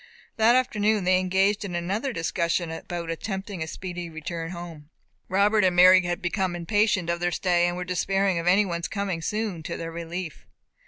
That afternoon they engaged in another discussion about attempting a speedy return home. Robert and Mary had become impatient of their stay, and were despairing of any one's coming soon to their relief.